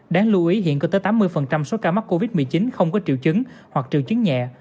đáng lưu ý hiện có tới tám mươi số ca mắc covid một mươi chín không có triệu chứng hoặc triệu chứng nhẹ